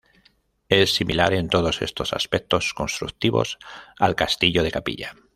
Es similar en todos estos aspectos constructivos al Castillo de Capilla.